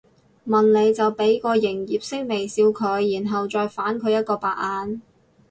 問我就俾個營業式笑容佢然後再反佢一個白眼